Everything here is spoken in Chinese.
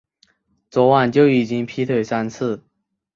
昨晚就已经劈腿三次